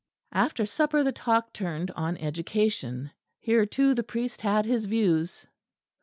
After supper the talk turned on education: here, too, the priest had his views.